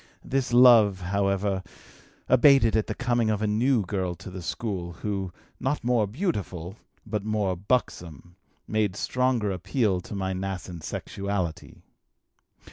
This love, however, abated at the coming of a new girl to the school, who, not more beautiful, but more buxom, made stronger appeal to my nascent sexuality.